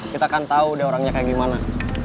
kita kan tahu deh orangnya kayak gimana